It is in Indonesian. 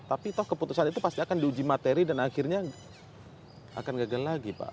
tapi toh keputusan itu pasti akan diuji materi dan akhirnya akan gagal lagi pak